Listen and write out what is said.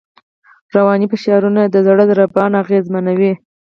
رواني فشارونه د زړه ضربان اغېزمنوي.